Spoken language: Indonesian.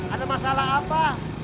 ada masalah apa